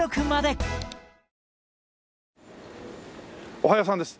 おはようさんです。